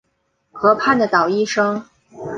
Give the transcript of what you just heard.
河畔的捣衣声